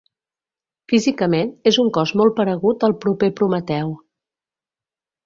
Físicament, és un cos molt paregut al proper Prometeu.